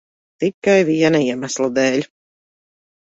Tikai viena iemesla dēļ.